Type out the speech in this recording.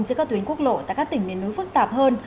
trên các tuyến quốc lộ tại các tỉnh miền núi phức tạp hơn